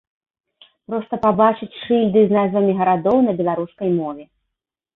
Проста пабачыць шыльды з назвамі гарадоў на беларускай мове!